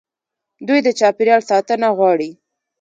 دوی د چاپیریال ساتنه غواړي.